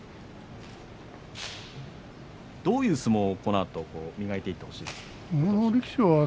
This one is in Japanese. どういう相撲を、このあと磨いていってほしいですか。